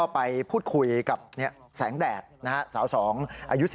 พี่พูดว่ามึงไปพบแพทย์เมื่อกี้